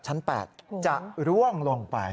จะร่วงลงไป